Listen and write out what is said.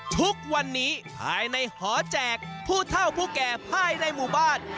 ทุกวันนี้ภายในหอแจกผู้เท่าผู้แก่ภายในหมู่บ้าน